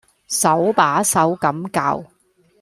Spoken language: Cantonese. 手把手咁教